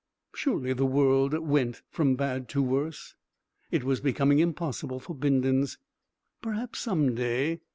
Surely the world went from bad to worse. It was becoming impossible for Bindons. Perhaps some day